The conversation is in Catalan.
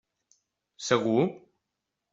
Segur?